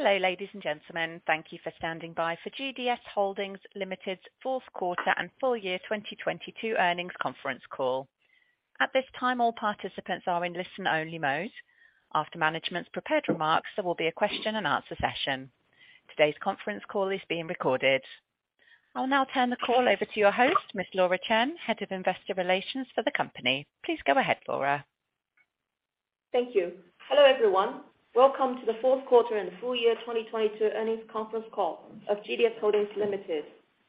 Hello, ladies and gentlemen. Thank you for standing by for GDS Holdings Limited's fourth quarter and full year 2022 earnings conference call. At this time, all participants are in listen-only mode. After management's prepared remarks, there will be a question and answer session. Today's conference call is being recorded. I'll now turn the call over to your host, Ms. Laura Chen, Head of Investor Relations for the company. Please go ahead, Laura. Thank you. Hello, everyone. Welcome to the fourth quarter and full year 2022 earnings conference call of GDS Holdings Limited.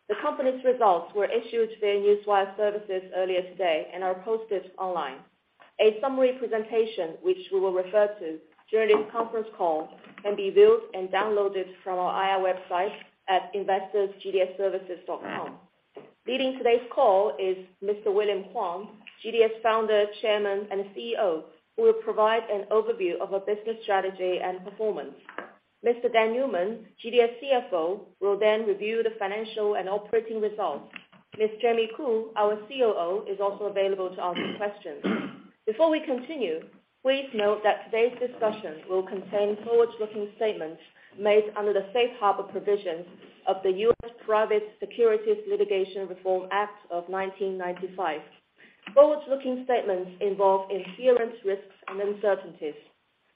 The company's results were issued via Newswire services earlier today and are posted online. A summary presentation, which we will refer to during this conference call, can be viewed and downloaded from our IR website at investors.gds-services.com. Leading today's call is Mr. William Huang, GDS Founder, Chairman, and CEO, who will provide an overview of our business strategy and performance. Mr. Dan Newman, GDS CFO, will then review the financial and operating results. Ms. Jamie Khoo, our COO, is also available to answer questions. Before we continue, please note that today's discussion will contain forward-looking statements made under the safe harbor provisions of the U.S. Private Securities Litigation Reform Act of 1995. Forward-looking statements involve inherent risks and uncertainties.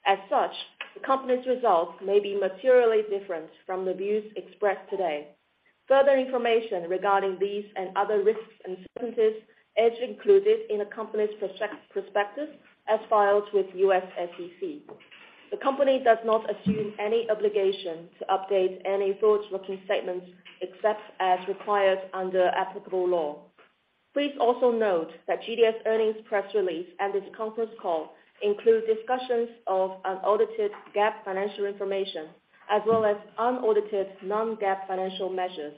As such, the company's results may be materially different from the views expressed today. Further information regarding these and other risks and uncertainties is included in the company's prospectus as filed with U.S. SEC. The company does not assume any obligation to update any forward-looking statements except as required under applicable law. Please also note that GDS earnings press release and this conference call include discussions of unaudited GAAP financial information as well as unaudited non-GAAP financial measures.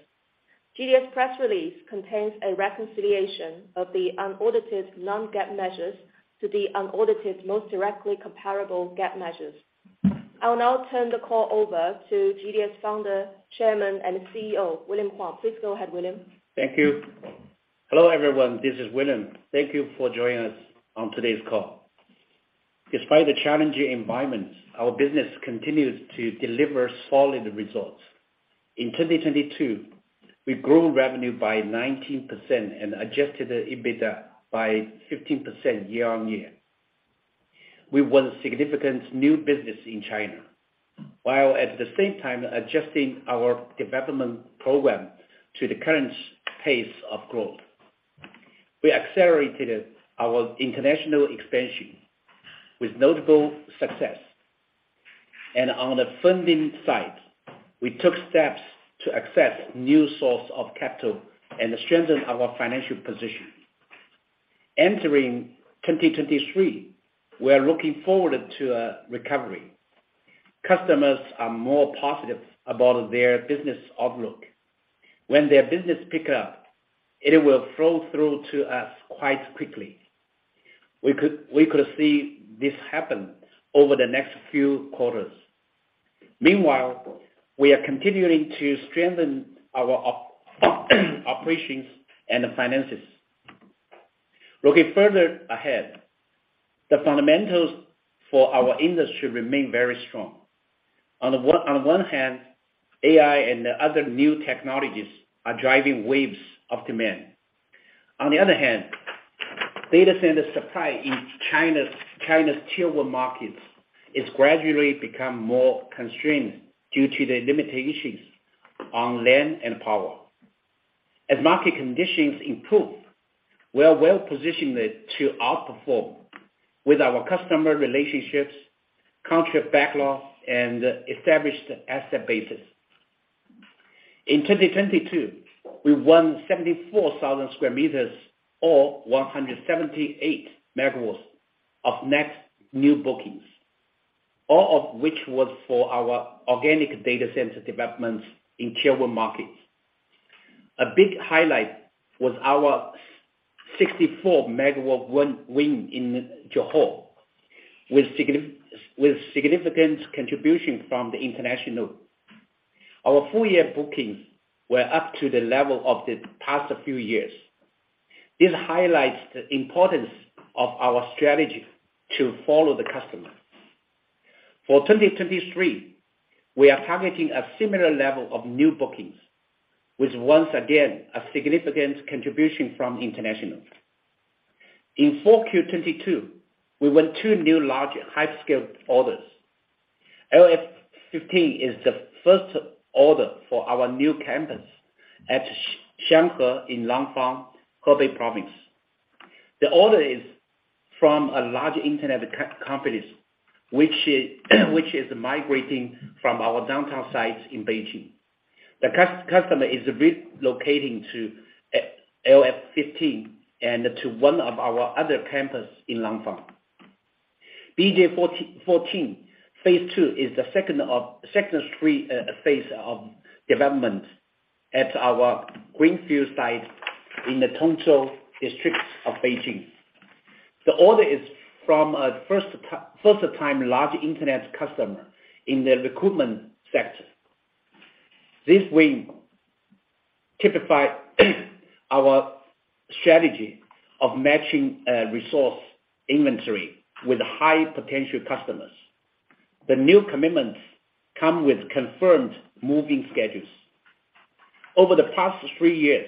GDS press release contains a reconciliation of the unaudited non-GAAP measures to the unaudited most directly comparable GAAP measures. I'll now turn the call over to GDS Founder, Chairman, and CEO, William Huang. Please go ahead, William. Thank you. Hello, everyone. This is William. Thank you for joining us on today's call. Despite the challenging environment, our business continues to deliver solid results. In 2022, we grew revenue by 19% and adjusted the EBITDA by 15% year-over-year. We won significant new business in China, while at the same time adjusting our development program to the current pace of growth. We accelerated our international expansion with notable success. On the funding side, we took steps to access new source of capital and strengthen our financial position. Entering 2023, we are looking forward to a recovery. Customers are more positive about their business outlook. When their business pick up, it will flow through to us quite quickly. We could see this happen over the next few quarters. Meanwhile, we are continuing to strengthen our operations and finances. Looking further ahead, the fundamentals for our industry remain very strong. On the one hand, AI and other new technologies are driving waves of demand. On the other hand, data center supply in China's Tier 1 markets is gradually become more constrained due to the limitations on land and power. As market conditions improve, we are well-positioned to outperform with our customer relationships, contract backlog, and established asset bases. In 2022, we won 74,000 square meters or 178 megawatts of net new bookings, all of which was for our organic data center developments in Tier 1 markets. A big highlight was our 64 megawatt win in Johor, with significant contribution from the international. Our full-year bookings were up to the level of the past few years. This highlights the importance of our strategy to follow the customer. For 2023, we are targeting a similar level of new bookings with, once again, a significant contribution from international. In full Q4 2022, we won 2 new large, hyperscale orders. LF15 is the first order for our new campus at Xianghe in Langfang, Hebei province. The order is from a large internet companies which is migrating from our downtown sites in Beijing. The customer is relocating to LF15 and to one of our other campus in Langfang. BJ14 phase II is the second phase of development at our greenfield site in the Tongzhou District of Beijing. The order is from a first time large internet customer in the recruitment sector. This win typify our strategy of matching resource inventory with high potential customers. The new commitments come with confirmed move-in schedules. Over the past three years,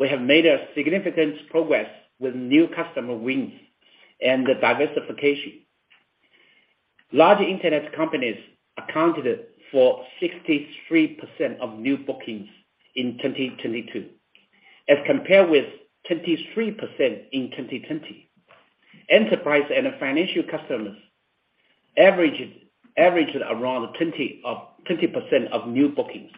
we have made a significant progress with new customer wins and diversification. Large internet companies accounted for 63% of new bookings in 2022, as compared with 23% in 2020. Enterprise and financial customers averaged around 20% of new bookings.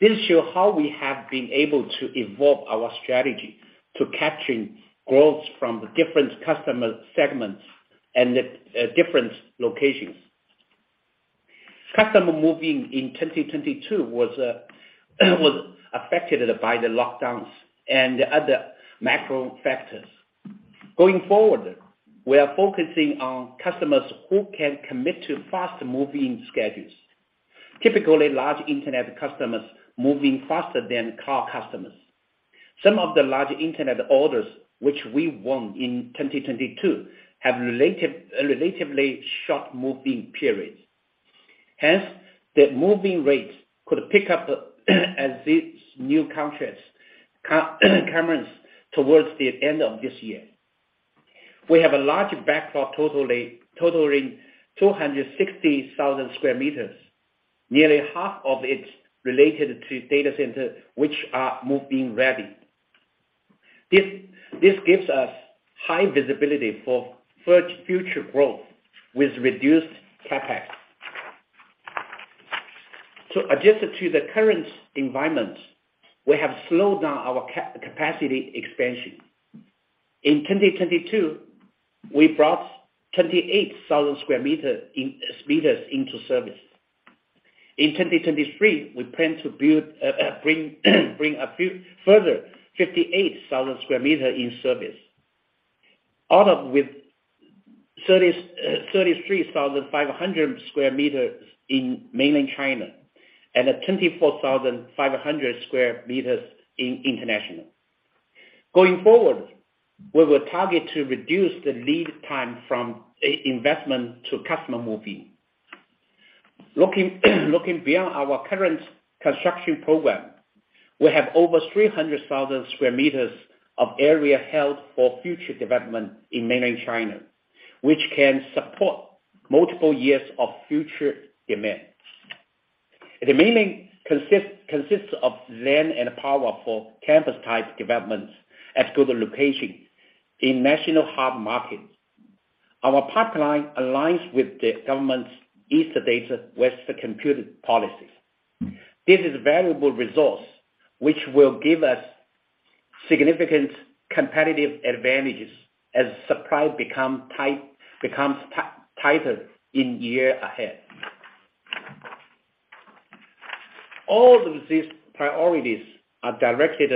This show how we have been able to evolve our strategy to capturing growth from the different customer segments and the different locations. Customer moving in 2022 was affected by the lockdowns and other macro factors. Going forward, we are focusing on customers who can commit to faster move-in schedules. Typically, large internet customers move in faster than cloud customers. Some of the large internet orders, which we won in 2022, have related, relatively short move-in periods. Hence, the move-in rates could pick up as these new contracts come in towards the end of this year. We have a large backlog totaling 260,000 square meters. Nearly half of it related to data center, which are move-in ready. This gives us high visibility for future growth with reduced CapEx. To adjust to the current environment, we have slowed down our capacity expansion. In 2022, we brought 28,000 square meters into service. In 2023, we plan to build, bring a few further 58,000 square meter in service. All of with 33,500 square meters in mainland China and 24,500 square meters in international. Going forward, we will target to reduce the lead time from investment to customer moving. Looking beyond our current construction program, we have over 300,000 square meters of area held for future development in mainland China, which can support multiple years of future demands. The mainland consists of land and power for campus type developments at good locations in national hub markets. Our pipeline aligns with the government's Eastern Data and Western Computing policies. This is valuable resource, which will give us significant competitive advantages as supply becomes tighter in year ahead. All of these priorities are directed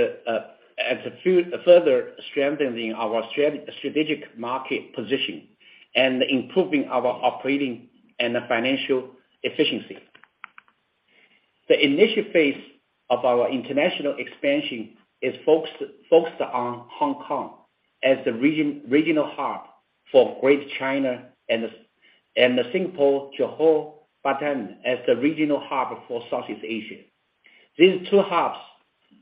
at further strengthening our strategic market position and improving our operating and financial efficiency. The initial phase of our international expansion is focused on Hong Kong as the regional hub for Greater China and Singapore, Johor, Batam as the regional hub for Southeast Asia. These two hubs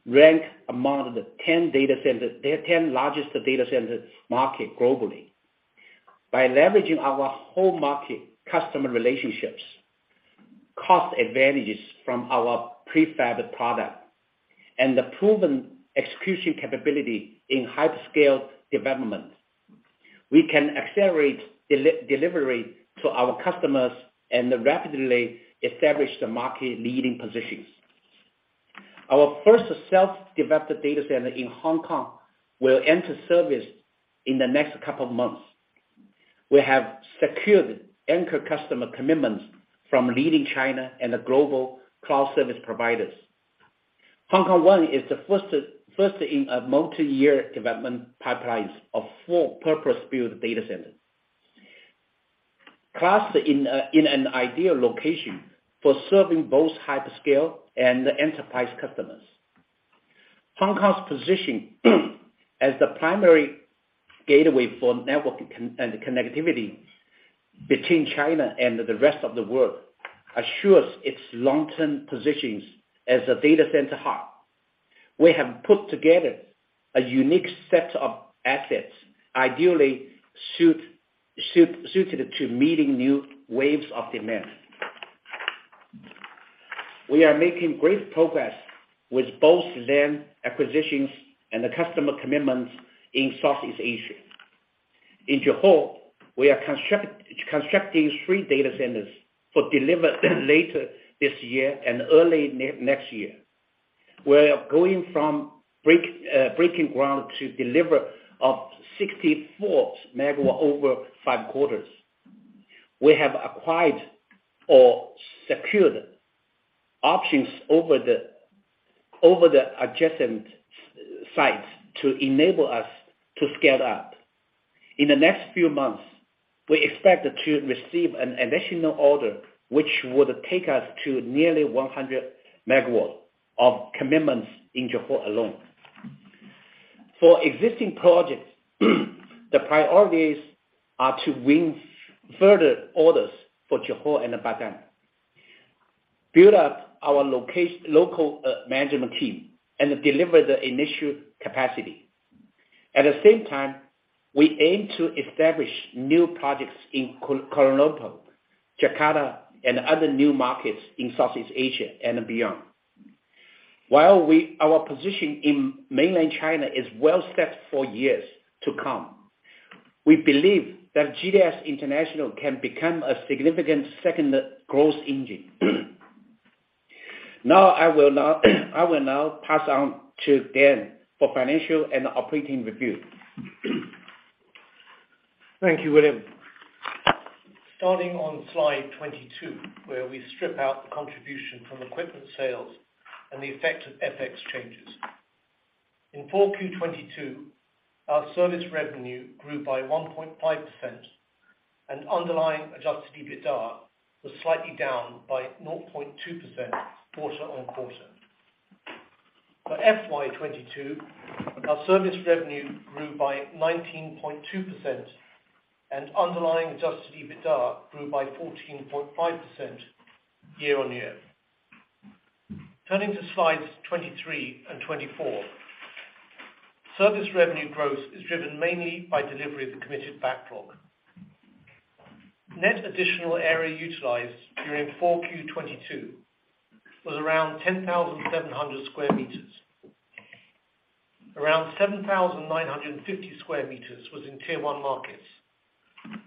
rank among the 10 data center, the 10 largest data centers market globally. By leveraging our home market customer relationships, cost advantages from our prefabbed product, and the proven execution capability in hyperscale development, we can accelerate delivery to our customers and rapidly establish the market-leading positions. Our first self-developed data center in Hong Kong will enter service in the next couple of months. We have secured anchor customer commitments from leading China and the global cloud service providers. Hong Kong one is the first in a multi-year development pipelines of full purpose-built data centers. In an ideal location for serving both hyperscale and enterprise customers. Hong Kong's position as the primary gateway for network and connectivity between China and the rest of the world assures its long-term positions as a data center hub. We have put together a unique set of assets, ideally suited to meeting new waves of demand. We are making great progress with both land acquisitions and the customer commitments in Southeast Asia. In Johor, we are constructing three data centers for deliver later this year and early next year. We are going from breaking ground to deliver up to 64 megawatts over five quarters. We have acquired or secured options over the adjacent sites to enable us to scale up. In the next few months, we expect to receive an additional order, which would take us to nearly 100 megawatts of commitments in Johor alone. For existing projects, the priorities are to win further orders for Johor and Batam, build up our local management team, and deliver the initial capacity. At the same time, we aim to establish new projects in Kuala Lumpur, Jakarta, and other new markets in Southeast Asia and beyond. While our position in mainland China is well-set for years to come, we believe that GDS International can become a significant second growth engine. I will now pass on to Dan for financial and operating review. Thank you, William. Starting on slide 22, where we strip out the contribution from equipment sales and the effect of FX changes. In 4Q 2022, our service revenue grew by 1.5%, and underlying adjusted EBITDA was slightly down by 0.2% quarter-on-quarter. For FY 2022, our service revenue grew by 19.2%, and underlying adjusted EBITDA grew by 14.5% year-on-year. Turning to slides 23 and 24. Service revenue growth is driven mainly by delivery of the committed backlog. Net additional area utilized during 4Q 2022 was around 10,700 square meters. Around 7,950 square meters was in Tier 1 markets,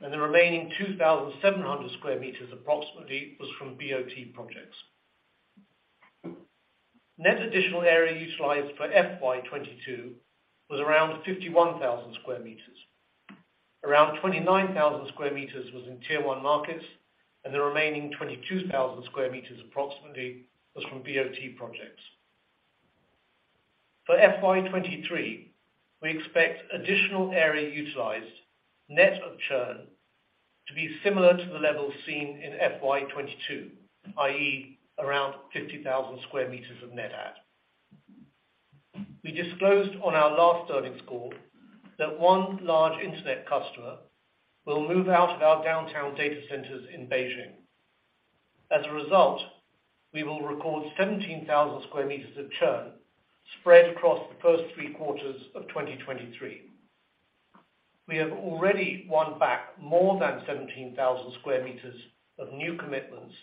and the remaining 2,700 square meters approximately was from BOT projects. Net additional area utilized for FY 2022 was around 51,000 square meters. Around 29,000 square meters was in Tier 1 markets, and the remaining 22,000 square meters approximately was from BOT projects. For FY 2023, we expect additional area utilized, net of churn, to be similar to the levels seen in FY 2022, i.e., around 50,000 square meters of net add. We disclosed on our last earnings call that one large internet customer will move out of our downtown data centers in Beijing. As a result, we will record 17,000 square meters of churn spread across the first three quarters of 2023. We have already won back more than 17,000 square meters of new commitments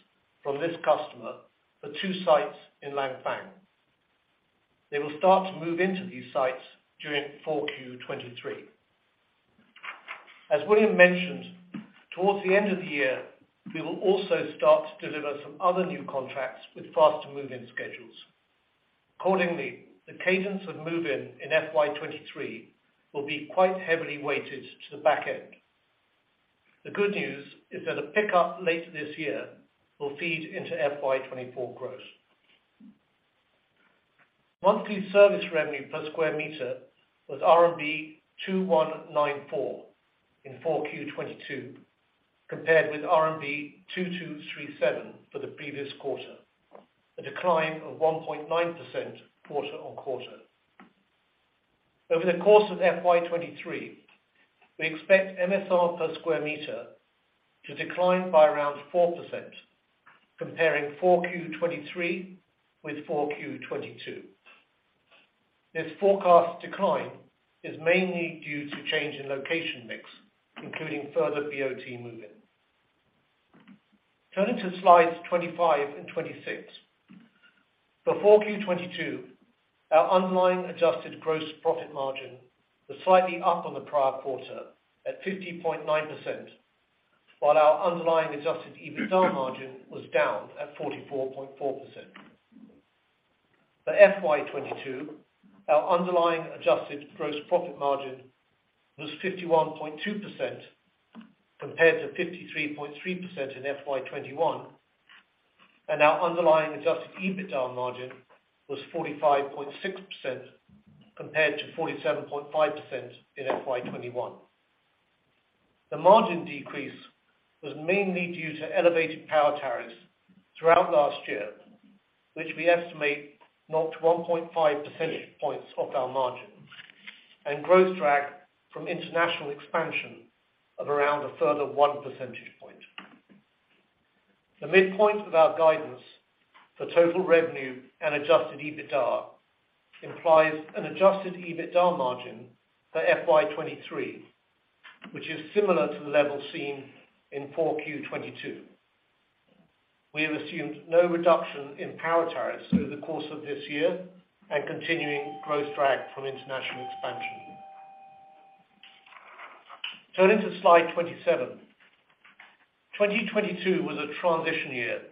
from this customer for two sites in Langfang. They will start to move into these sites during 4Q 2023. As William mentioned, towards the end of the year, we will also start to deliver some other new contracts with faster move-in schedules. Accordingly, the cadence of move-in in FY 2023 will be quite heavily weighted to the back end. The good news is that a pickup later this year will feed into FY 2024 growth. Monthly service revenue per square meter was RMB 2,194 in 4Q 2022, compared with RMB 2,237 for the previous quarter, a decline of 1.9% quarter-on-quarter. Over the course of FY 2023, we expect MSR per square meter to decline by around 4%, comparing 4Q 2023 with 4Q 2022. This forecast decline is mainly due to change in location mix, including further BOT move-in. Turning to slides 25 and 26. For 4Q 2022, our underlying adjusted gross profit margin was slightly up on the prior quarter at 50.9%, while our underlying adjusted EBITDA margin was down at 44.4%. For FY 2022, our underlying adjusted gross profit margin was 51.2% compared to 53.3% in FY 2021, and our underlying adjusted EBITDA margin was 45.6% compared to 47.5% in FY 2021. The margin decrease was mainly due to elevated power tariffs throughout last year, which we estimate knocked 1.5 percentage points off our margin, and growth drag from international expansion of around a further 1 percentage point. The midpoint of our guidance for total revenue and adjusted EBITDA implies an adjusted EBITDA margin for FY 2023, which is similar to the level seen in 4Q 2022. We have assumed no reduction in power tariffs through the course of this year and continuing growth drag from international expansion. Turning to slide 27. 2022 was a transition year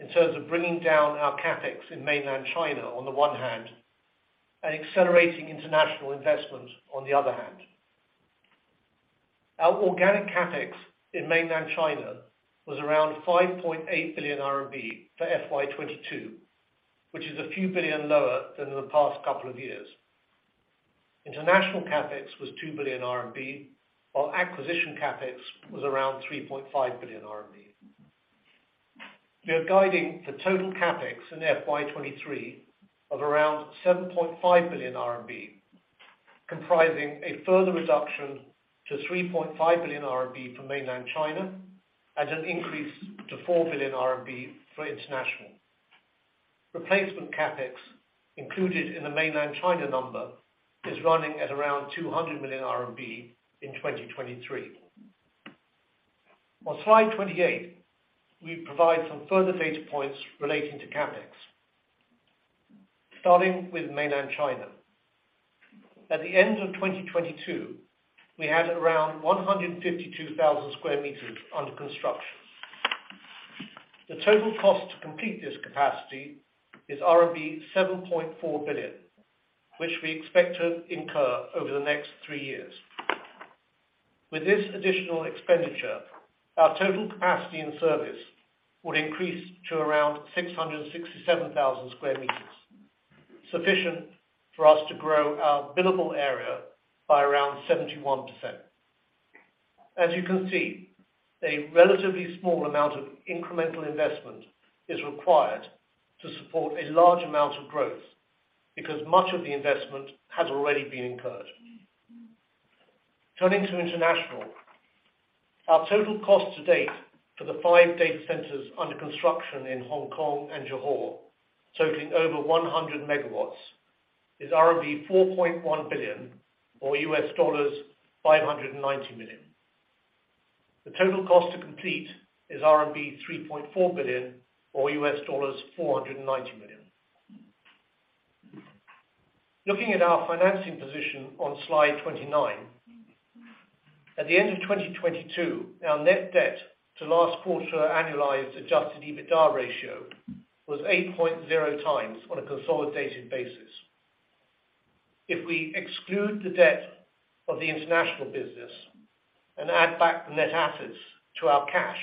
in terms of bringing down our CapEx in Mainland China on the one hand and accelerating international investment on the other hand. Our organic CapEx in Mainland China was around 5.8 billion RMB for FY 2022. Which is a few billion lower than the past couple of years. International CapEx was 2 billion RMB, while acquisition CapEx was around 3.5 billion RMB. We are guiding the total CapEx in FY 2023 of around 7.5 billion RMB, comprising a further reduction to 3.5 billion RMB from Mainland China, and an increase to 4 billion RMB for international. Replacement CapEx included in the Mainland China number is running at around 200 million RMB in 2023. On slide 28, we provide some further data points relating to CapEx, starting with Mainland China. At the end of 2022, we had around 152,000 square meters under construction. The total cost to complete this capacity is RMB 7.4 billion, which we expect to incur over the next three years. With this additional expenditure, our total capacity and service would increase to around 667,000 square meters, sufficient for us to grow our billable area by around 71%. As you can see, a relatively small amount of incremental investment is required to support a large amount of growth because much of the investment has already been incurred. Turning to international. Our total cost to date for the five data centers under construction in Hong Kong and Johor, totaling over 100 megawatts, is RMB 4.1 billion, or $590 million. The total cost to complete is RMB 3.4 billion, or $490 million. Looking at our financing position on slide 29. At the end of 2022, our net debt to last quarter annualized adjusted EBITDA ratio was 8.0x on a consolidated basis. If we exclude the debt of the international business and add back the net assets to our cash,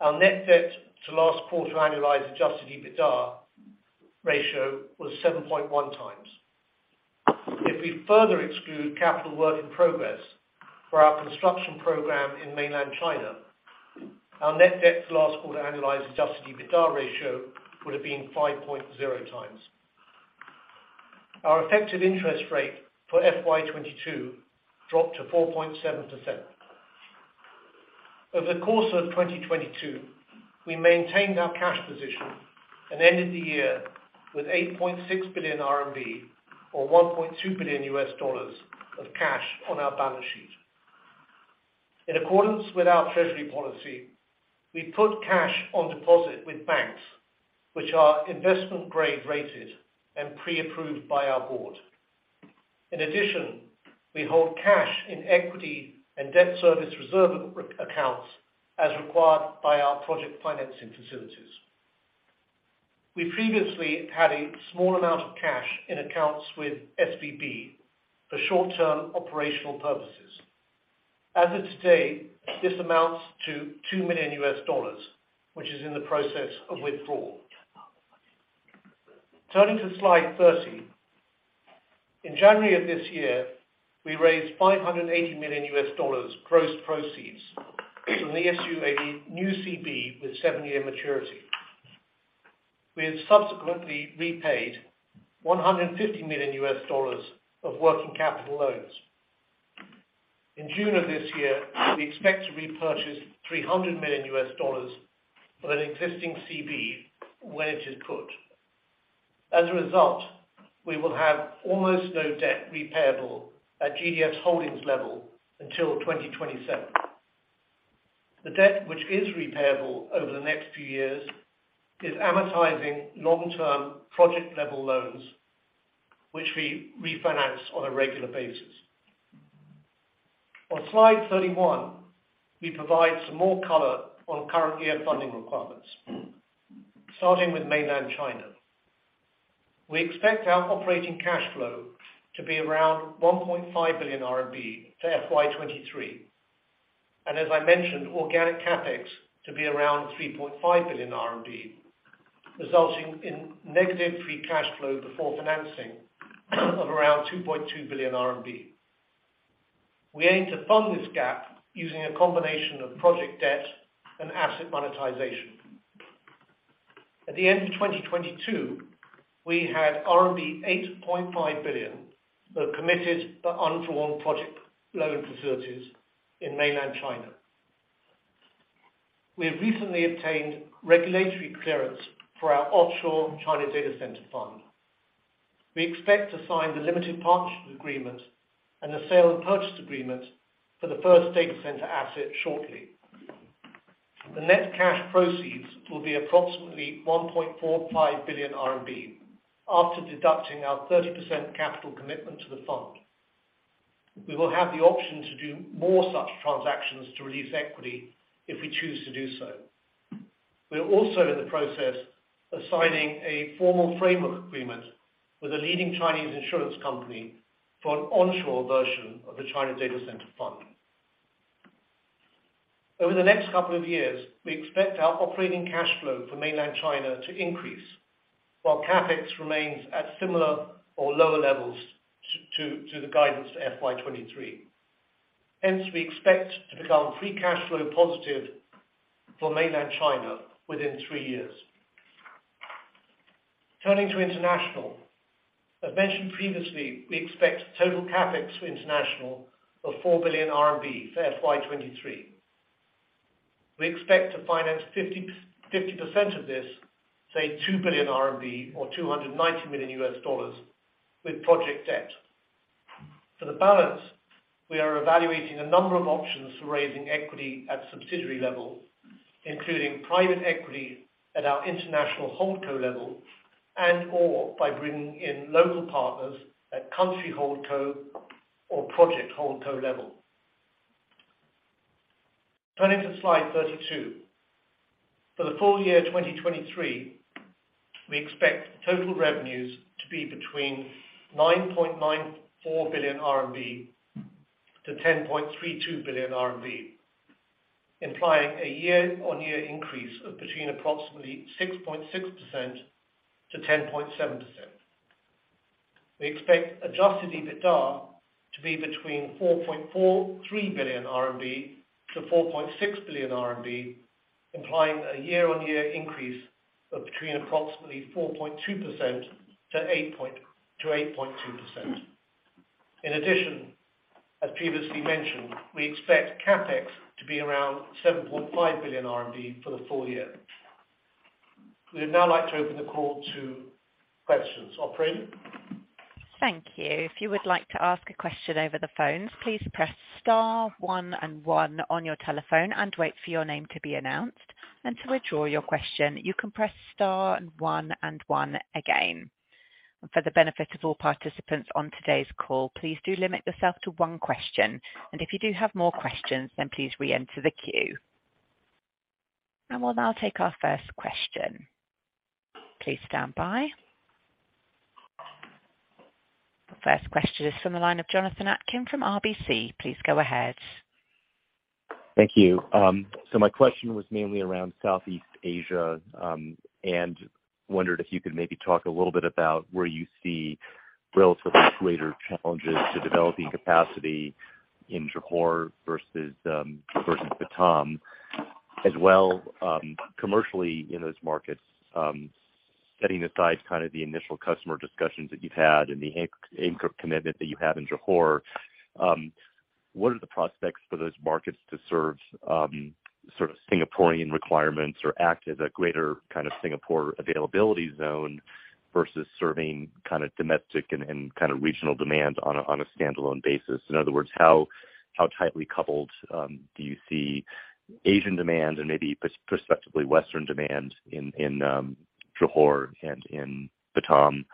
our net debt to last quarter annualized adjusted EBITDA ratio was 7.1x. If we further exclude capital work in progress for our construction program in Mainland China, our net debt to last quarter annualized adjusted EBITDA ratio would have been 5.0x. Our effective interest rate for FY 2022 dropped to 4.7%. Over the course of 2022, we maintained our cash position and ended the year with 8.6 billion RMB or $1.2 billion of cash on our balance sheet. In accordance with our treasury policy, we put cash on deposit with banks, which are investment grade rated and pre-approved by our board. In addition, we hold cash in equity and debt service reserve accounts as required by our project financing facilities. We previously had a small amount of cash in accounts with SVB for short-term operational purposes. As of today, this amounts to $2 million, which is in the process of withdrawal. Turning to slide 30. In January of this year, we raised $580 million gross proceeds from the issue a new CB with 7-year maturity. We have subsequently repaid $150 million of working capital loans. In June of this year, we expect to repurchase $300 million of an existing CB when it is put. As a result, we will have almost no debt repayable at GDS Holdings level until 2027. The debt, which is repayable over the next few years, is amortizing long-term project level loans, which we refinance on a regular basis. Slide 31, we provide some more color on current year funding requirements, starting with Mainland China. We expect our operating cash flow to be around 1.5 billion RMB to FY 2023. As I mentioned, organic CapEx to be around 3.5 billion RMB, resulting in negative free cash flow before financing of around 2.2 billion RMB. We aim to fund this gap using a combination of project debt and asset monetization. At the end of 2022, we had RMB 8.5 billion of committed but undrawn project loan facilities in Mainland China. We have recently obtained regulatory clearance for our offshore China Data Center fund. We expect to sign the limited partnership agreement and the sale and purchase agreement for the first data center asset shortly. The net cash proceeds will be approximately 1.45 billion RMB after deducting our 30% capital commitment to the fund. We will have the option to do more such transactions to release equity if we choose to do so. We are also in the process of signing a formal framework agreement with a leading Chinese insurance company for an onshore version of the China Data Center Fund. Over the next couple of years, we expect our operating cash flow for Mainland China to increase while CapEx remains at similar or lower levels to the guidance to FY 2023. Hence, we expect to become free cash flow positive for Mainland China within three years. Turning to international. As mentioned previously, we expect total CapEx for international of 4 billion RMB for FY 2023. We expect to finance 50% of this, say 2 billion RMB or $290 million with project debt. For the balance, we are evaluating a number of options for raising equity at subsidiary level, including private equity at our international holdco level and/or by bringing in local partners at country holdco or project holdco level. Turning to slide 32. For the full year 2023, we expect total revenues to be between 9.94 billion-10.32 billion RMB, implying a year-over-year increase of between approximately 6.6%-10.7%. We expect adjusted EBITDA to be between 4.43 billion-4.6 billion RMB, implying a year-over-year increase of between approximately 4.2%-8.2%. In addition, as previously mentioned, we expect CapEx to be around 7.5 billion RMB for the full year. We'd now like to open the call to questions. Operator? Thank you. If you would like to ask a question over the phone, please press star one and one on your telephone and wait for your name to be announced. To withdraw your question, you can press star and one and one again. For the benefit of all participants on today's call, please do limit yourself to one question. If you do have more questions, then please reenter the queue. We'll now take our first question. Please stand by. The first question is from the line of Jonathan Atkin from RBC. Please go ahead. Thank you. My question was mainly around Southeast Asia, and wondered if you could maybe talk a little bit about where you see relatively greater challenges to developing capacity in Johor versus Batam. As well, commercially in those markets, setting aside kind of the initial customer discussions that you've had and the incorp commitment that you have in Johor, what are the prospects for those markets to serve, sort of Singaporean requirements or act as a greater kind of Singapore availability zone versus serving kind of domestic and kind of regional demand on a, on a standalone basis? In other words, how tightly coupled do you see Asian demand and maybe perspectively Western demand in Johor and in Batam,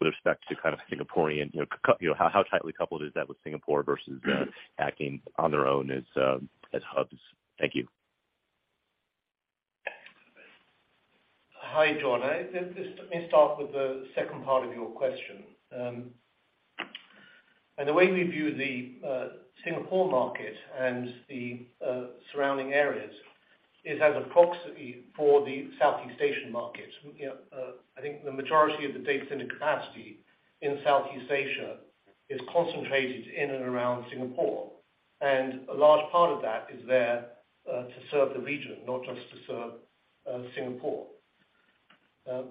with respect to kind of Singaporean, you know, how tightly coupled is that with Singapore versus acting on their own as hubs? Thank you. Hi, John. Let me start with the second part of your question. The way we view the Singapore market and the surrounding areas is as a proxy for the Southeast Asian markets. You know, I think the majority of the data center capacity in Southeast Asia is concentrated in and around Singapore, and a large part of that is there to serve the region, not just to serve Singapore.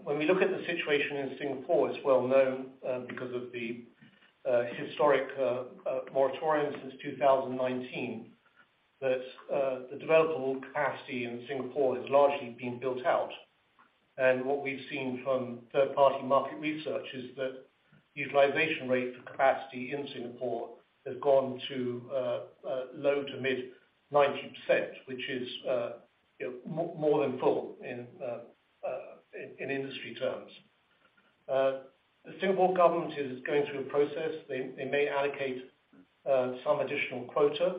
When we look at the situation in Singapore, it's well known, because of the historic moratorium since 2019, that the developable capacity in Singapore has largely been built out. What we've seen from third-party market research is that utilization rate for capacity in Singapore has gone to low to mid 90%, which is, you know, more than full in industry terms. The Singapore government is going through a process. They may allocate some additional quota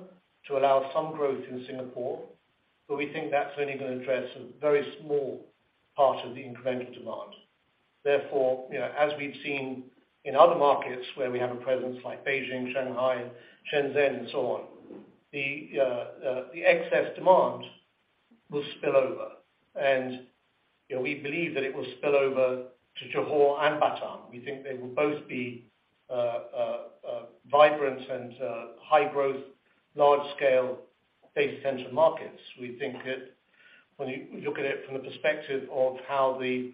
to allow some growth in Singapore, but we think that's only gonna address a very small part of the incremental demand. Therefore, you know, as we've seen in other markets where we have a presence like Beijing, Shanghai, Shenzhen and so on, the excess demand will spill over. You know, we believe that it will spill over to Johor and Batam. We think they will both be vibrant and high growth, large scale data center markets. We think that when you look at it from the perspective of how the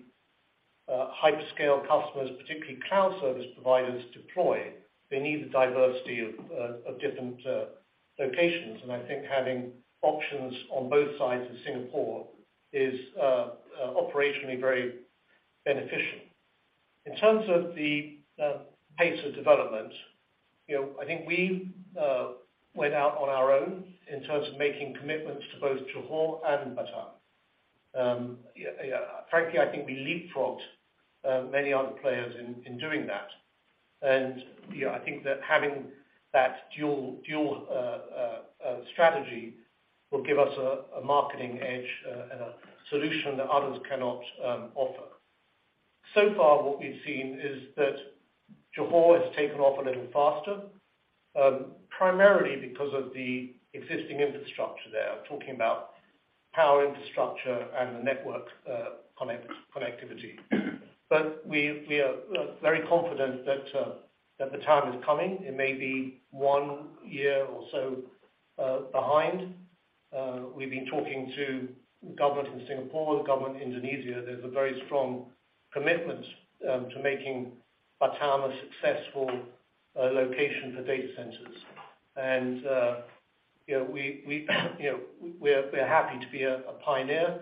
hyperscale customers, particularly cloud service providers, deploy, they need the diversity of different locations. I think having options on both sides of Singapore is operationally very beneficial. In terms of the pace of development, you know, I think we went out on our own in terms of making commitments to both Johor and Batam. Yeah, frankly, I think we leapfrogged many other players in doing that. You know, I think that having that dual strategy will give us a marketing edge and a solution that others cannot offer. So far, what we've seen is that Johor has taken off a little faster, primarily because of the existing infrastructure there. I'm talking about power infrastructure and the network connectivity. We are very confident that the time is coming, it may be one year or so behind. We've been talking to government in Singapore, government Indonesia, there's a very strong commitment to making Batam a successful location for data centers. You know, we, you know, we're happy to be a pioneer.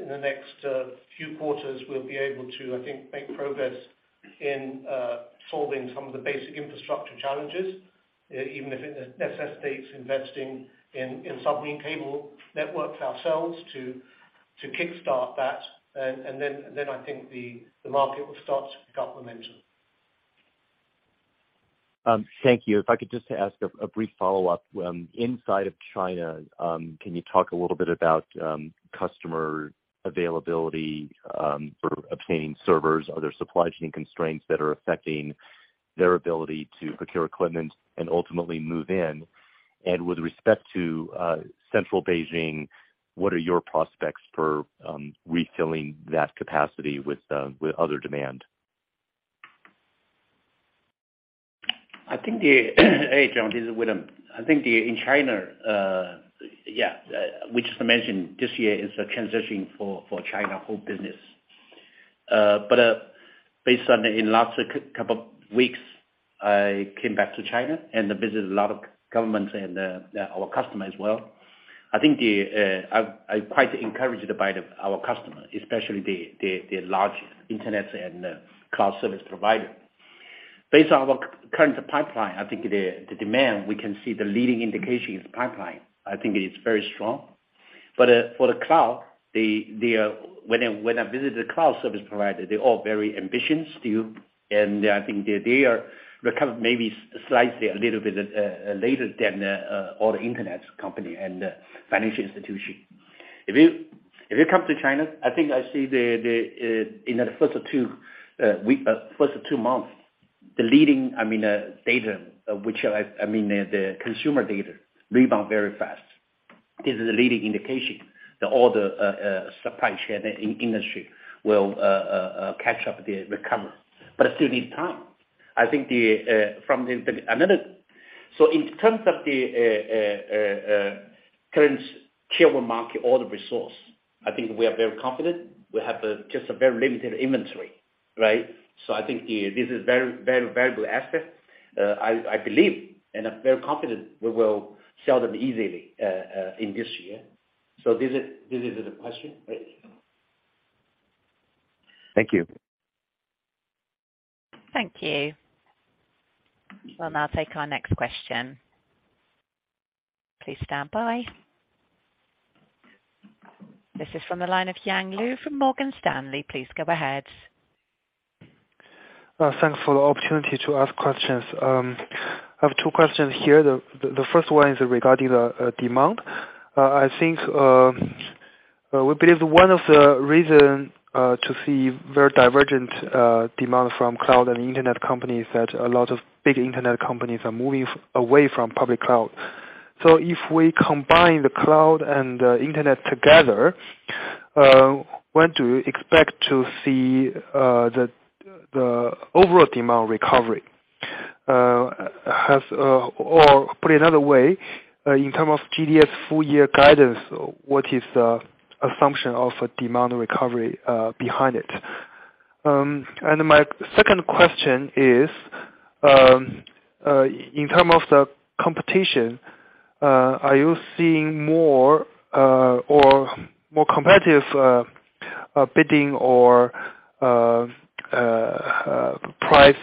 In the next few quarters, we'll be able to, I think, make progress in solving some of the basic infrastructure challenges, even if it necessitates investing in submarine cable networks ourselves to kickstart that. Then I think the market will start to pick up momentum. Thank you. If I could just ask a brief follow-up. Inside of China, can you talk a little bit about customer availability for obtaining servers? Are there supply chain constraints that are affecting their ability to procure equipment and ultimately move in? With respect to central Beijing, what are your prospects for refilling that capacity with other demand? I think, Hey, John, this is William. I think in China, we just mentioned this year is a transition for China whole business. Based on in last couple weeks, I came back to China and visited a lot of governments and our customer as well. I think I quite encouraged by our customer, especially the large internets and cloud service provider. Based on our current pipeline, I think the demand, we can see the leading indication is pipeline. I think it is very strong. For the cloud, when I visit the cloud service provider, they're all very ambitious still, and I think they are recovered maybe slightly a little bit later than all the internet company and financial institution. If you come to China, I think I see the in the first two months, the leading, I mean, data, which I mean, the consumer data rebound very fast. This is a leading indication that all the supply chain in industry will catch up the recovery. It still needs time. I think the in terms of the current Tier 1 market or the resource, I think we are very confident. We have just a very limited inventory, right? I think this is very variable aspect. I believe and I'm very confident we will sell them easily in this year. This is the question, right? Thank you. Thank you. We'll now take our next question. Please stand by. This is from the line of Yang Liu from Morgan Stanley. Please go ahead. Thanks for the opportunity to ask questions. I have two questions here. The first one is regarding the demand. I think we believe one of the reason to see very divergent demand from cloud and internet companies, that a lot of big internet companies are moving away from public cloud. If we combine the cloud and the internet together, when do you expect to see the overall demand recovery? Or put it another way, in term of GDS full year guidance, what is the assumption of demand recovery behind it? My second question is, in term of the competition, are you seeing more or more competitive bidding or price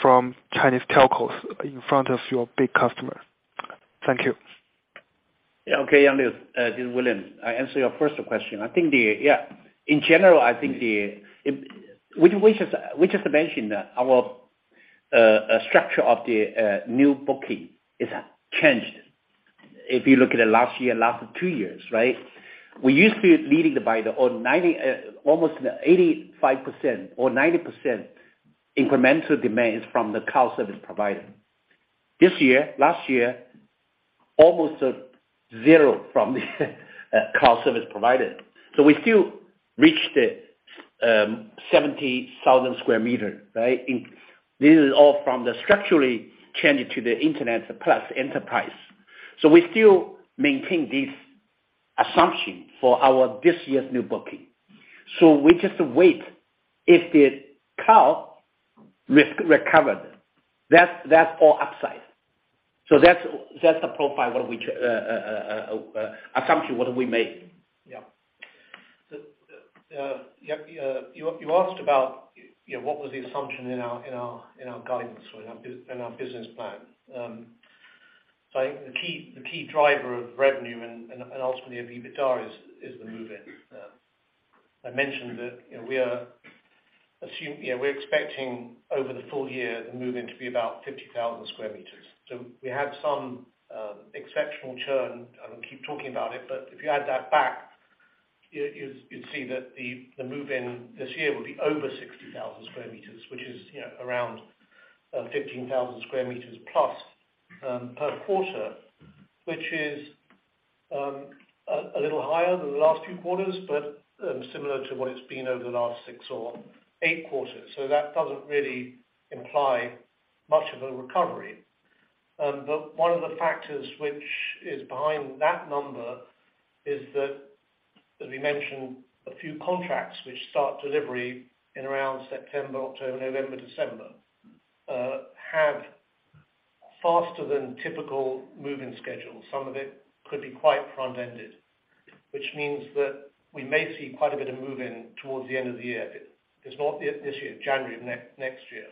from Chinese telcos in front of your big customers? Thank you. Okay, Yang Liu. This is William. I answer your first question. We just mentioned our structure of the new booking is changed. If you look at the last year, last two years, right? We used to be leading by the 90%, almost 85% or 90% incremental demands from the cloud service provider. This year, last year, almost 0 from the cloud service provider. We still reached the 70,000 square meter, right? This is all from the structurally change to the internet plus enterprise. We still maintain this assumption for our this year's new booking. We just wait if the cloud recovered. That's all upside. That's the profile what we assumption what we make. Yeah. You, you asked about, you know, what was the assumption in our guidance or in our business plan. I think the key driver of revenue and ultimately of EBITDA is the move-in. I mentioned that, you know, we're expecting over the full year, the move-in to be about 50,000 square meters. We had some exceptional churn. I will keep talking about it, but if you add that back, you'd see that the move-in this year will be over 60,000 square meters, which is, you know, around 15,000+ square meters per quarter. Which is a little higher than the last two quarters, similar to what it's been over the last six or eight quarters. That doesn't really imply much of a recovery. One of the factors which is behind that number is that, as we mentioned, a few contracts which start delivery in around September, October, November, December, have faster than typical move-in schedules. Some of it could be quite front-ended, which means that we may see quite a bit of move-in towards the end of the year. If it's not this year, January of next year.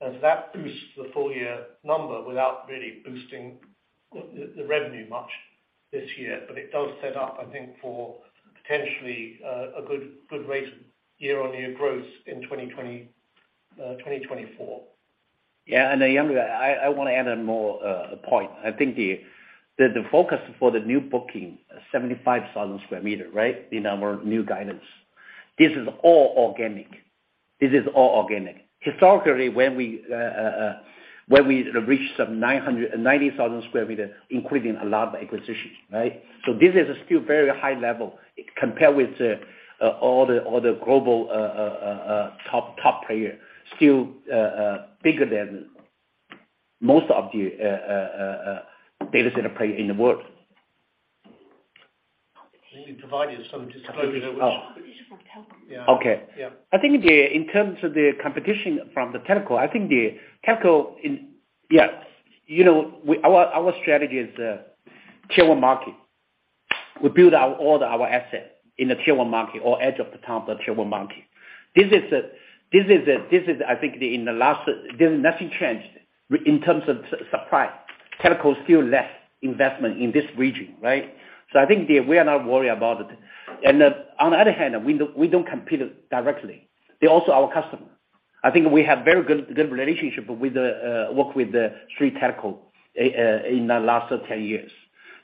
As that boosts the full year number without really boosting the revenue much this year. It does set up, I think, for potentially a good rate of year-on-year growth in 2024. Yang Liu, I wanna add on more point. I think the focus for the new booking, 75,000 square meter, right? In our new guidance. This is all organic. This is all organic. Historically, when we reached some 990,000 square meter, including a lot of acquisitions, right? This is still very high level compared with the all the global top player, still bigger than most of the data center player in the world. Can you provide us some disclosure which? Okay. I think in terms of the competition from the telco, you know, our strategy is Tier 1 market. We build all our asset in the Tier 1 market or edge of the town, but Tier 1 market. This is I think in the last, there's nothing changed in terms of supply. Telco still less investment in this region, right? I think we are not worried about it. On the other hand, we don't compete directly. They're also our customer. I think we have very good delivery relationship with the work with the three telco in the last 10 years.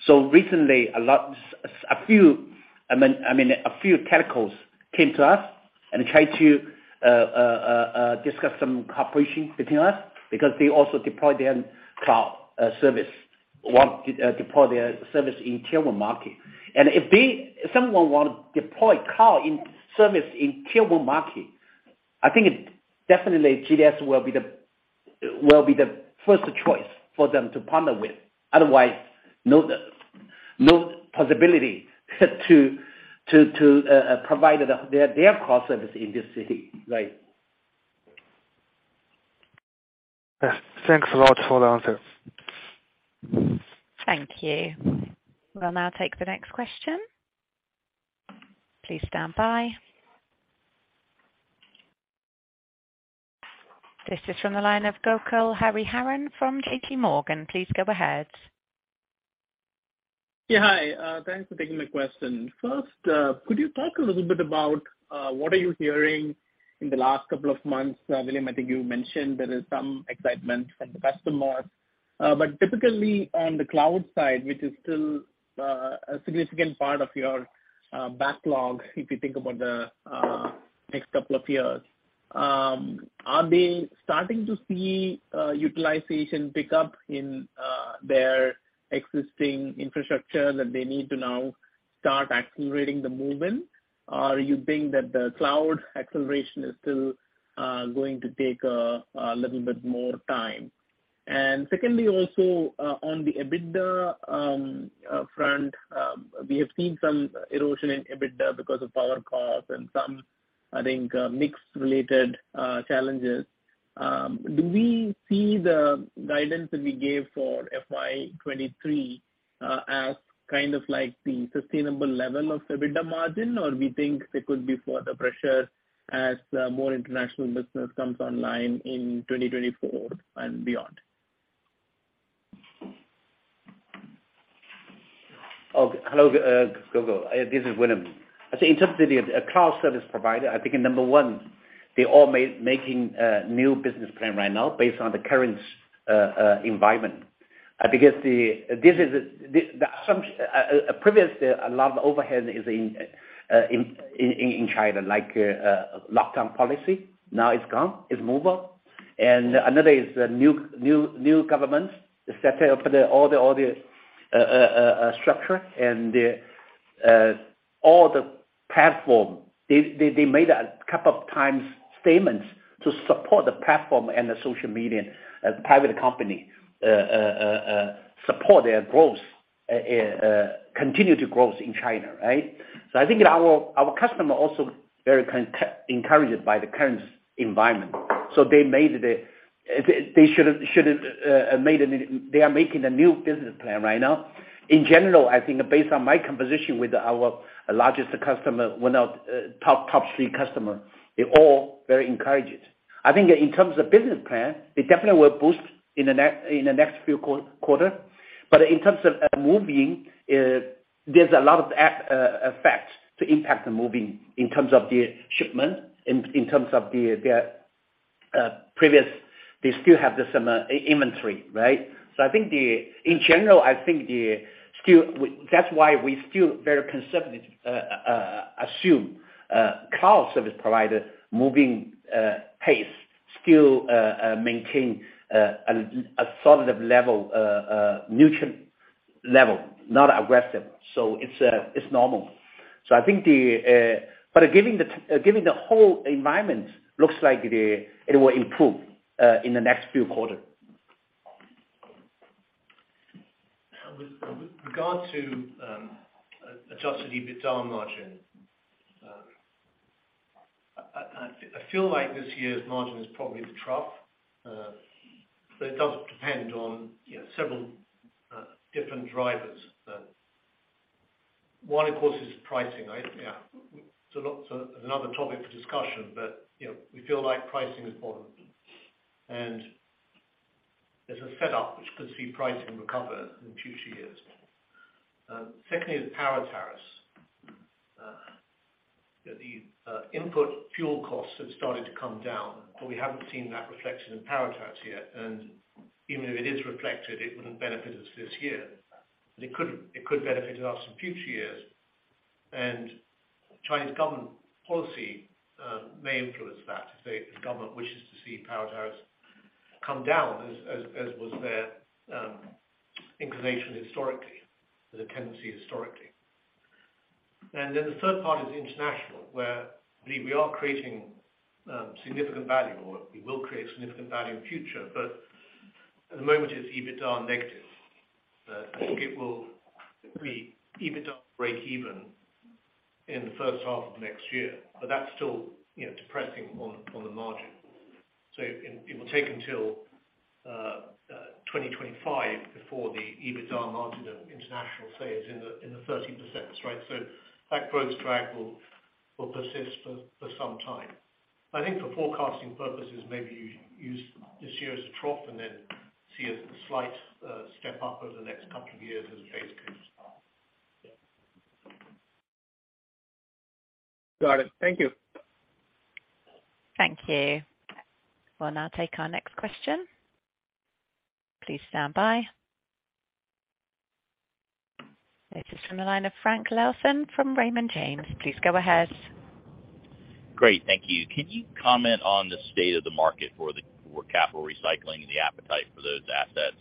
Recently, a few, I mean, a few telcos came to us and tried to discuss some cooperation between us because they also deploy their own cloud service. Want to deploy their service in Tier 1 market. If someone want to deploy cloud in service in Tier 1 market, I think it definitely GDS will be the first choice for them to partner with. Otherwise, no possibility to provide their cloud service in this city, right? Yes. Thanks a lot for the answer. Thank you. We'll now take the next question. Please stand by. This is from the line of Gokul Hariharan from JPMorgan. Please go ahead. Yeah, hi. Thanks for taking my question. First, could you talk a little bit about what are you hearing in the last couple of months? William, I think you mentioned there is some excitement from the customers. Typically on the cloud side, which is still a significant part of your backlog, if you think about the next couple of years, are they starting to see utilization pick up in their existing infrastructure that they need to now start accelerating the movement? Or you think that the cloud acceleration is still going to take a little bit more time? Secondly, also, on the EBITDA front, we have seen some erosion in EBITDA because of power costs and some, I think, mix related challenges. Do we see the guidance that we gave for FY 2023 as kind of like the sustainable level of EBITDA margin? Or we think there could be further pressure as more international business comes online in 2024 and beyond? Hello, Gokul. This is William. I think in terms of the cloud service provider, I think number one, they're all making new business plan right now based on the current environment. Because this is, the assumption previously a lot of overhead is in China, like lockdown policy. Now it's gone, it's moved on. Another is the new government set up all the structure and all the platform. They made a couple of times statements to support the platform and the social media, private company support their growth, continue to growth in China, right? I think our customer also very encouraged by the current environment. They made the, they are making a new business plan right now. In general, I think based on my conversation with our largest customer, one of top three customer, they're all very encouraged. I think in terms of business plan, it definitely will boost in the next few quarter. In terms of moving, there's a lot of effects to impact the moving in terms of the shipment, in terms of the previous, they still have the same inventory, right? That's why we still very conservative assume cloud service provider moving pace still maintain a solid level, neutral level, not aggressive. It's normal. I think the, giving the whole environment looks like it will improve in the next few quarter. With regard to adjusted EBITDA margin, I feel like this year's margin is probably the trough. It does depend on, you know, several different drivers. One, of course, is pricing. I, you know, it's another topic for discussion, but, you know, we feel like pricing is bottom. There's a setup which could see pricing recover in future years. Secondly, is power tariffs. That the input fuel costs have started to come down, but we haven't seen that reflected in power tariffs yet. Even if it is reflected, it wouldn't benefit us this year. It could benefit us in future years. Chinese government policy may influence that if the government wishes to see power tariffs come down as was their inclination historically, as a tendency historically. Then the third part is international, where I believe we are creating significant value, or we will create significant value in future. At the moment, it's EBITDA negative. I think it will be EBITDA break even in the first half of next year, but that's still, you know, depressing on the margin. It will take until 2025 before the EBITDA margin of international sales in the 13%, right? That growth track will persist for some time. I think for forecasting purposes, maybe you use this year as a trough and then see a slight step up over the next couple of years as a baseline. Got it. Thank you. Thank you. We'll now take our next question. Please stand by. This is from the line of Frank Louthan from Raymond James. Please go ahead. Great. Thank you. Can you comment on the state of the market for the capital recycling and the appetite for those assets?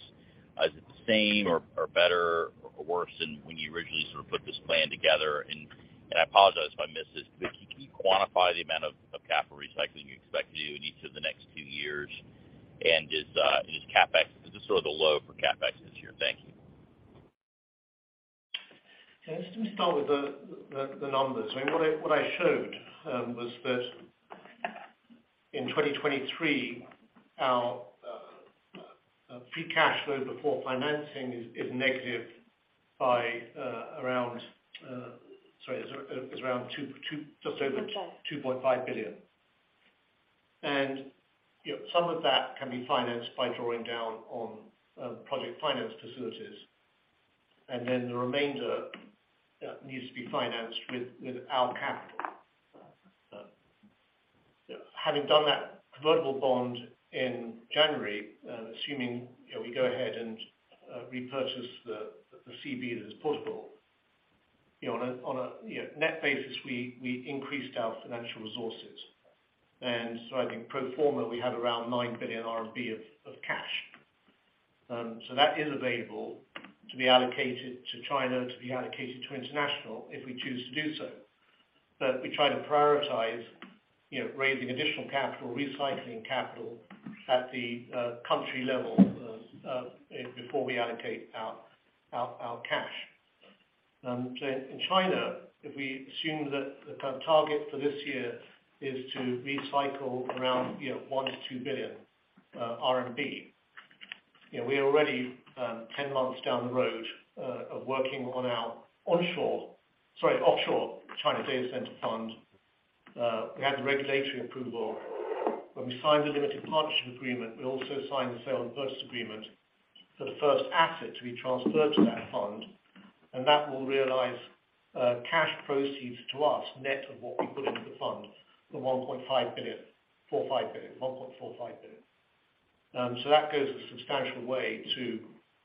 Is it the same or better or worse than when you originally sort of put this plan together? I apologize if I missed this, but can you quantify the amount of capital recycling you expect to do in each of the next 2 years? Is CapEx, is this sort of the low for CapEx this year? Thank you. Yeah. Let me start with the numbers. I mean, what I showed was that in 2023, our free cash flow before financing is negative by around just over 2.5 billion. You know, some of that can be financed by drawing down on project finance facilities. The remainder needs to be financed with our capital. Having done that convertible bond in January, assuming, you know, we go ahead and repurchase the CB that is portable, you know, on a net basis, we increased our financial resources. I think pro forma, we had around 9 billion RMB of cash. That is available to be allocated to China, to be allocated to international if we choose to do so. We try to prioritize, you know, raising additional capital, recycling capital at the country level before we allocate our cash. In China, if we assume that the target for this year is to recycle around, you know, 1 billion-2 billion RMB, you know, we are already 10 months down the road of working on our onshore, sorry, offshore China Data Center Fund. We had the regulatory approval. When we signed the limited partnership agreement, we also signed the sale and purchase agreement for the first asset to be transferred to that fund. That will realize cash proceeds to us net of what we put into the fund for 1.45 billion. That goes a substantial way to,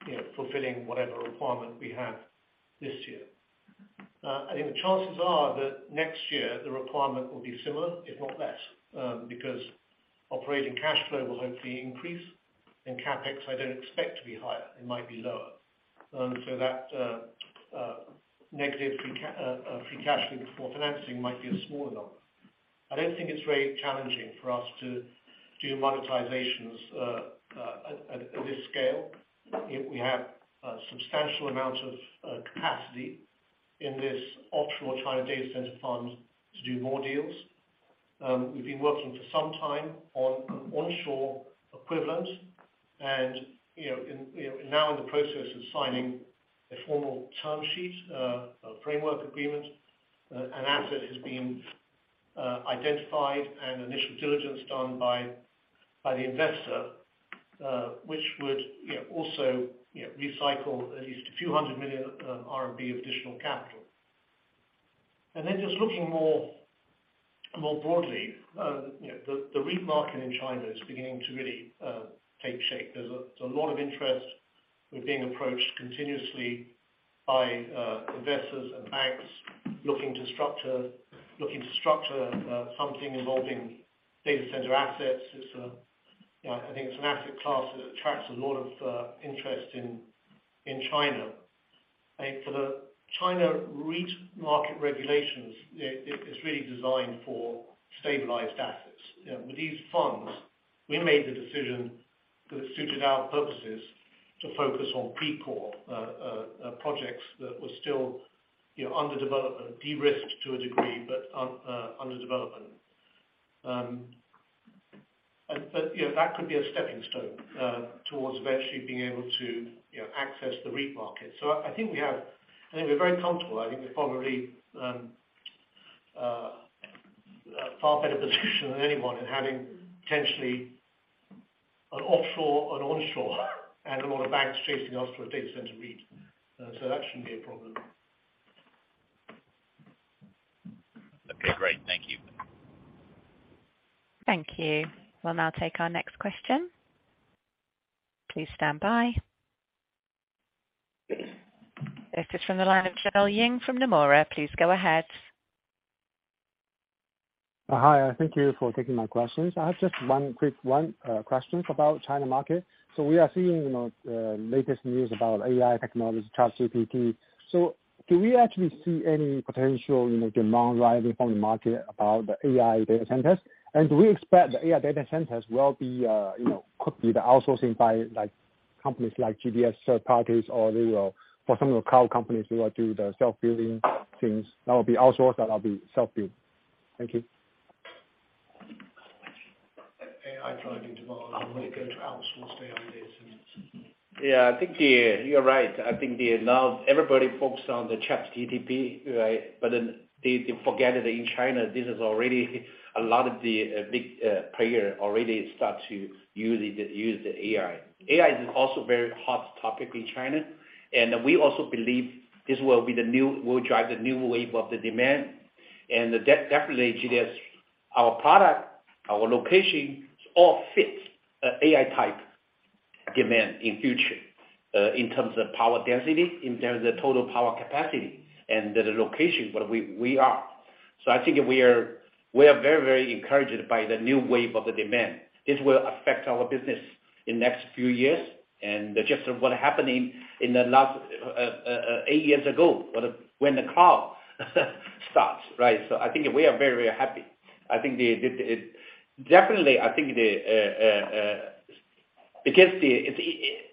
you know, fulfilling whatever requirement we have this year. I think the chances are that next year the requirement will be similar, if not less, because operating cash flow will hopefully increase and CapEx I don't expect to be higher. It might be lower. That negative free cash flow before financing might be a smaller number. I don't think it's very challenging for us to do monetizations at this scale. You know, we have a substantial amount of capacity in this offshore China Data Center Fund to do more deals. We've been working for some time on onshore equivalent and, you know, now in the process of signing a formal term sheet, a framework agreement. An asset has been identified and initial diligence done by the investor, which would, you know, also recycle at least a few hundred million RMB of additional capital. Just looking more broadly, you know, the REIT market in China is beginning to really take shape. There's a lot of interest. We're being approached continuously by investors and banks looking to structure something involving data center assets. You know, I think it's an asset class that attracts a lot of interest in China. I think for the China REIT market regulations, it is really designed for stabilized assets. You know, with these funds, we made the decision because it suited our purposes to focus on pre-core projects that were still, you know, under development. De-risked to a degree, but under development. But, you know, that could be a stepping stone towards eventually being able to, you know, access the REIT market. I think we have I think we're very comfortable. I think we're probably a far better position than anyone in having potentially an offshore and onshore and a lot of banks chasing us for a data center REIT. That shouldn't be a problem. Okay, great. Thank you. Thank you. We'll now take our next question. Please stand by. This is from the line of Joel Ying from Nomura. Please go ahead. Hi. Thank you for taking my questions. I have just one quick one, questions about China market. We are seeing, you know, latest news about AI technology, ChatGPT. Do we actually see any potential, you know, demand rising from the market about the AI data centers? Do we expect the AI data centers will be, you know, could be the outsourcing by, like, companies like GDS third parties, or for some of the cloud companies, they will do the self-building things that will be outsourced, that will be self-built. Thank you. AI driving demand. Are we gonna outsource the AI data centers? Yeah, I think you're right. I think Now everybody focus on the ChatGPT, right? They forget that in China, this is already a lot of the big player already start to use the AI. AI is also very hot topic in China, we also believe this will drive the new wave of the demand. Definitely GDS, our product, our location all fits AI type demand in future, in terms of power density, in terms of total power capacity and the location where we are. I think we are very encouraged by the new wave of the demand. This will affect our business in next few years and just what happening in the last 8 years ago when the cloud starts, right? I think we are very, very happy. Definitely, I think the, because the, it's,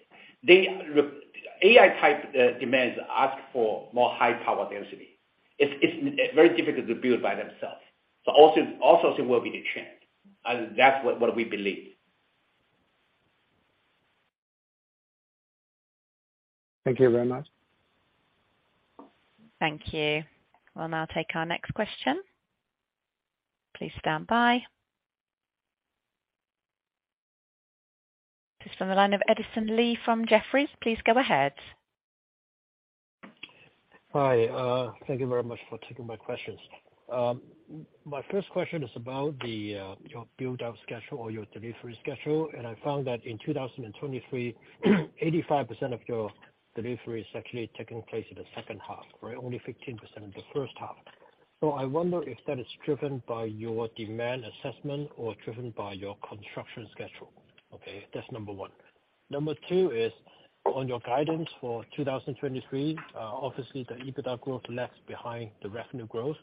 they AI type demands ask for more high power density. It's very difficult to build by themselves. Also it will be the trend, and that's what we believe. Thank you very much. Thank you. We'll now take our next question. Please stand by. This is from the line of Edison Lee from Jefferies. Please go ahead. Hi. Thank you very much for taking my questions. My first question is about the your build-out schedule or your delivery schedule. I found that in 2023, 85% of your delivery is actually taking place in the second half, right? Only 15% in the first half. I wonder if that is driven by your demand assessment or driven by your construction schedule. Okay, that's number one. Number two is on your guidance for 2023, obviously the EBITDA growth lags behind the revenue growth.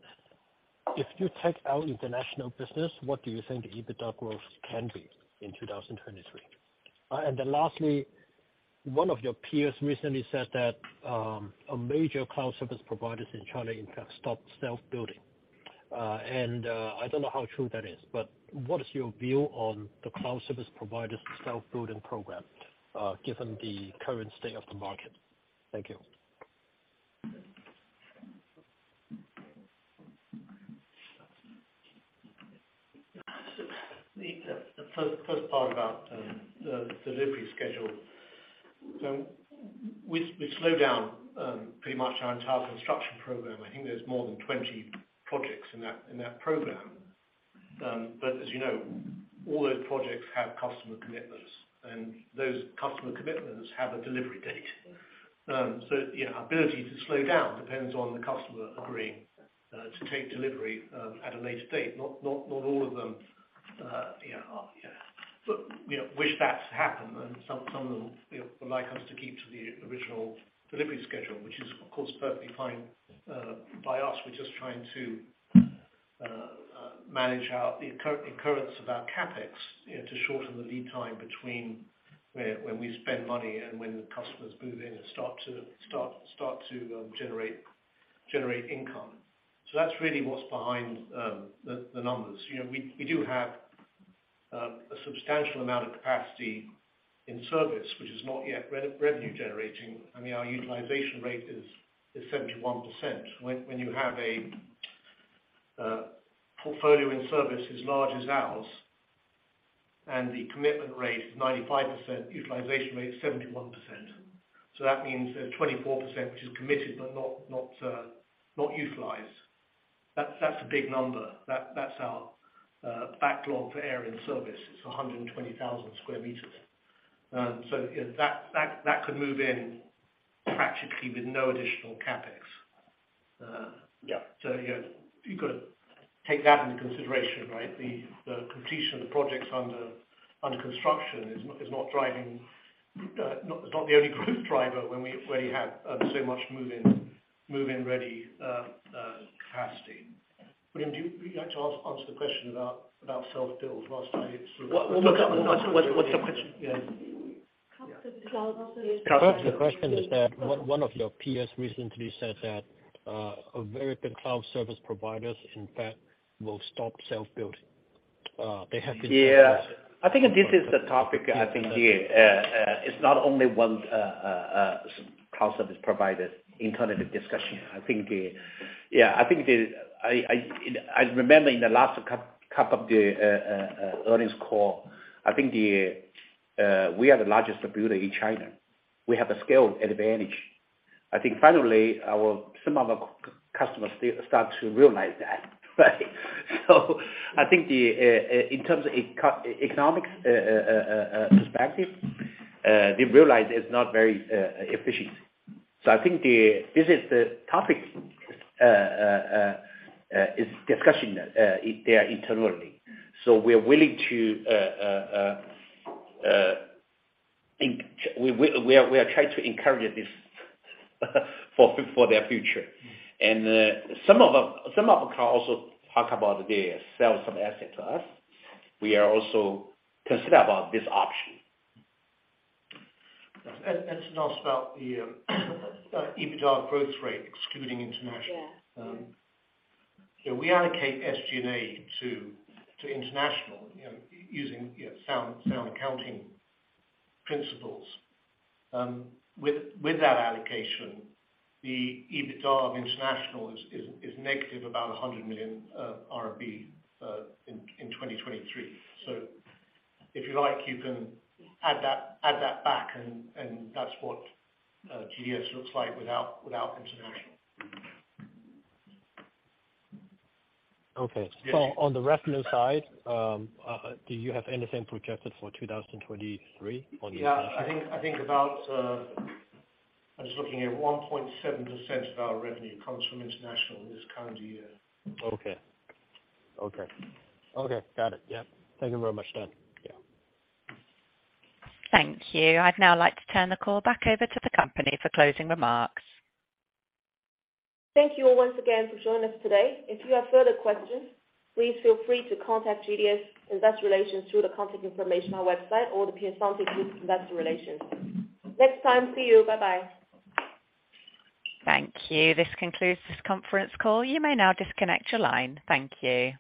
If you take out international business, what do you think the EBITDA growth can be in 2023? Lastly, one of your peers recently said that a major cloud service providers in China in fact stopped self-building. I don't know how true that is, but what is your view on the cloud service providers self-building program, given the current state of the market? Thank you. The first part about delivery schedule. We slow down pretty much our entire construction program. I think there's more than 20 projects in that program. As you know, all those projects have customer commitments, and those customer commitments have a delivery date. You know, ability to slow down depends on the customer agreeing to take delivery at a later date. Not all of them, you know, wish that to happen. Some of them, you know, would like us to keep to the original delivery schedule, which is of course, perfectly fine by us. We're just trying to manage out the incurrence of our CapEx, you know, to shorten the lead time between when we spend money and when the customers move in and start to generate income. That's really what's behind the numbers. You know, we do have a substantial amount of capacity in service, which is not yet re-revenue generating. I mean, our utilization rate is 71%. When you have a portfolio in service as large as ours. The commitment rate is 95%, utilization rate is 71%. That means 24%, which is committed but not utilized. That's a big number. That's our backlog for air in service. It's 120,000 square meters. That could move in practically with no additional CapEx. Yeah. You gotta take that into consideration, right? The completion of the projects under construction is not driving, not the only growth driver when you have so much move-in ready capacity. William, you have to answer the question about self-build. Last time you sort of. What, look, what's the question? The question is that one of your peers recently said that American cloud service providers, in fact, will stop self-build. Yeah. I think this is the topic, I think, yeah. It's not only one cloud service provider internal discussion. I remember in the last couple of the earnings call. We are the largest builder in China. We have a scale advantage. Some of our customers still start to realize that, right? In terms of economics perspective, they realize it's not very efficient. This is the topic is discussion there internally. We are trying to encourage this for their future. Some of them can also talk about they sell some asset to us. We are also consider about this option. Let's ask about the EBITDA growth rate excluding international. We allocate SG&A to international, you know, using, you know, sound accounting principles. With that allocation, the EBITDA of international is negative about 100 million RMB in 2023. If you like, you can add that back and that's what GDS looks like without international. Okay. On the revenue side, do you have anything projected for 2023 on the international? Yeah, I think about, I was looking at 1.7% of our revenue comes from international in this current year. Okay. Okay. Okay. Got it. Yeah. Thank you very much, Dan. Yeah. Thank you. I'd now like to turn the call back over to the company for closing remarks. Thank you all once again for joining us today. If you have further questions, please feel free to contact GDS Investor Relations through the contact information on our website or The Piacente Group Investor Relations. Next time, see you. Bye-bye. Thank you. This concludes this conference call. You may now disconnect your line. Thank you.